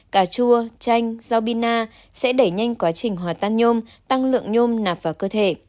cà chua chanh rau bina sẽ đẩy nhanh quá trình hòa tan nhôm tăng lượng nhôm nạp vào cơ thể